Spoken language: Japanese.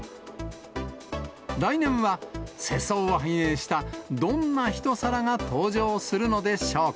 来年は世相を反映したどんな一皿が登場するのでしょうか。